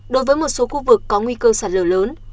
đối với một số khu vực có nguy cơ sạt lở lớn